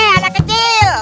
he ala kecil